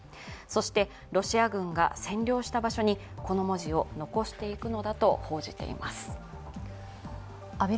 そして、ロシア軍が占領した場所にこの文字を残していくのだと報じています。